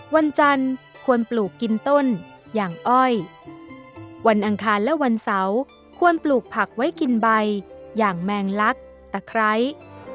วันจันทร์ควรปลูกกินต้นอย่างอ้อยวันอังคารและวันเสาร์ควรปลูกผักไว้กินใบอย่างแมงลักตะไคร้